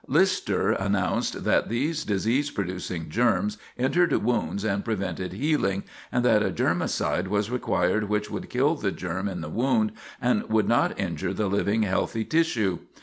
Lister announced that these disease producing germs entered wounds and prevented healing, and that a germicide was required which would kill the germ in the wound and would not injure the living, healthy tissue.